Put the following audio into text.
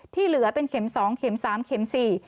ที่เหลือเป็นเข็มสองเข็มสามเข็มสี่